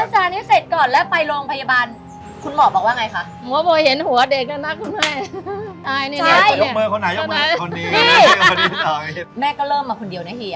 ลูกคนที่สองนี่ได้ขอบมาว่าล้างจานจนมาบรรติ